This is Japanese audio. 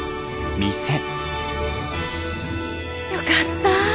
よかった。